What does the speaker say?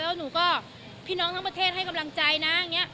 แล้วก็พี่น้องทั้งประเทศให้กำลังใจนะ